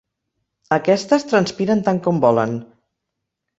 Aquestes transpiren tant com volen.